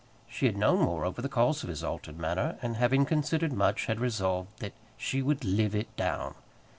She had known, moreover, the cause of his altered manner, and having considered much, had resolved that she would live it down.